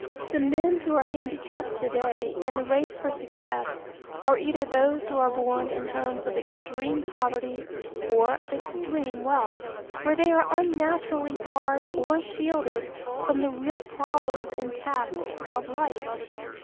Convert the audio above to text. The men who are handicapped to day in the race for success are either those who are born in homes of extreme poverty or of extreme wealth where they are unnaturally barred or shielded from the real problems and tasks of life.